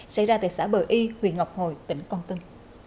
xảy ra tại xã bờ y huyện ngọc hồi tỉnh con tum